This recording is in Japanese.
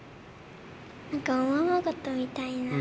何かおままごとみたいな遊び。